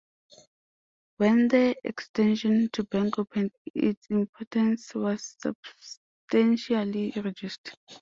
When the extension to Bank opened, its importance was substantially reduced.